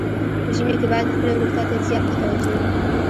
په ژمي کې باید خپلې روغتیا ته زیات متوجه وو.